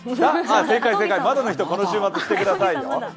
正解正解、まだの人、この週末してくださいよ。